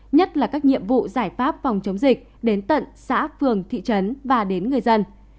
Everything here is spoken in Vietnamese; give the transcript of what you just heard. nhất là các nhiệm vụ giải pháp phòng chống dịch đến tận xã phường thị trấn và đến người dân